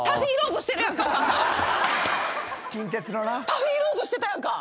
タフィ・ローズしてたやんか。